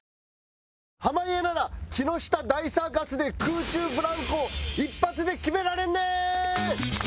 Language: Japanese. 濱家なら木下大サーカスで空中ブランコ一発で決められんねん！